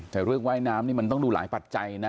แต่เรื่องว่ายน้ำนี่มันต้องดูหลายปัจจัยนะ